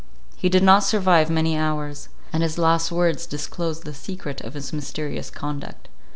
He did not survive many hours; and his last words disclosed the secret of his mysterious conduct.